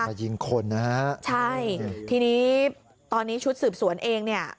มายิงคนนะฮะใช่ทีนี้ตอนนี้ชุดสืบสวนเองเนี่ย